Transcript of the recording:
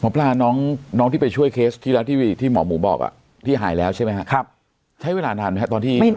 ปลาน้องที่ไปช่วยเคสที่แล้วที่หมอหมูบอกที่หายแล้วใช่ไหมครับใช้เวลานานไหมครับตอนที่